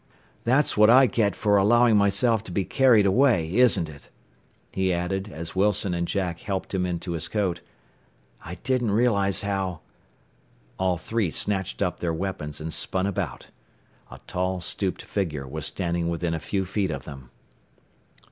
"That's what I get for allowing myself to be carried away, isn't it?" he added as Wilson and Jack helped him into his coat. "I didn't realize how " All three snatched up their weapons and spun about. A tall stooped figure was standing within a few feet of them.